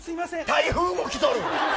台風も来とる。